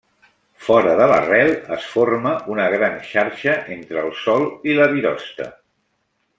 Fora de l’arrel es forma una gran xarxa entre el sòl i la virosta.